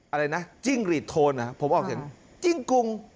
อะไรนะจิ้งหลีดโทนนะครับผมออกเสียงจิ้งกุง